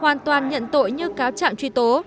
hoàn toàn nhận tội như cáo chạm truy tố